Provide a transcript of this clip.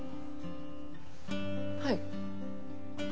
はい。